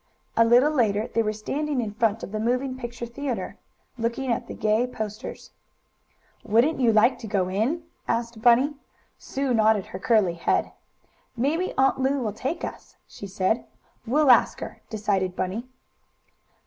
A little later they were standing in front of the moving picture theatre, looking at the gay posters. "Wouldn't you like to go in?" asked Bunny. Sue nodded her curly head. "Maybe Aunt Lu will take us," she said. "We'll ask her," decided Bunny.